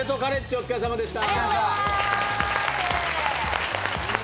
お疲れさまでした。